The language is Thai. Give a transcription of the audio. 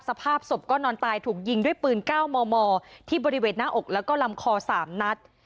สภาพศพก็นอนตายถูกยิงด้วยปืน๙มมที่บริเวณหน้าอกแล้วก็ลำคอ๓นัด